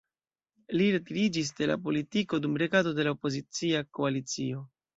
Li retiriĝis de la politiko dum regado de la opozicia koalicio.